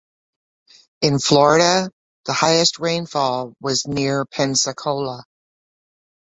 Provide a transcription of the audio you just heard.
In Florida, the highest rainfall was near Pensacola.